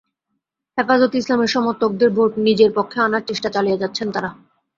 হেফাজতে ইসলামের সমর্থকদের ভোট নিজের পক্ষে আনার চেষ্টা চালিয়ে যাচ্ছেন তাঁরা।